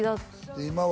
今は